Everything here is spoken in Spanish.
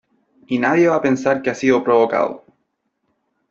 y nadie va a pensar que ha sido provocado .